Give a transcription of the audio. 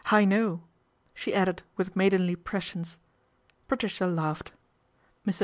I know !" she added with maidenly prescience. Patricia laughed. Mr.